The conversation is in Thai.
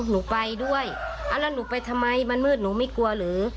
หนูไปด้วยแล้วหนูไปทำไมมันมืดหนูไม่กลัวหรือ